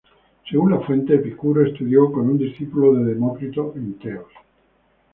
Según las fuentes, Epicuro estudió con un discípulo de Demócrito en Teos.